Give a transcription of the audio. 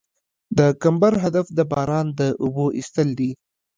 د کمبر هدف د باران د اوبو ایستل دي